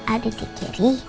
ada di kiri